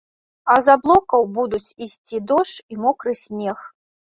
А з аблокаў будуць ісці дождж і мокры снег.